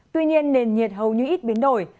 tuy nhiên nền nhiệt hầu như ít biến đổi